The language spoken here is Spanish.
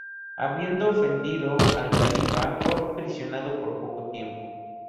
Habiendo ofendido al califa, fue aprisionado por poco tiempo.